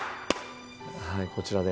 こちらで。